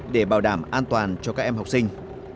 để bảo đảm an toàn cho các em học sinh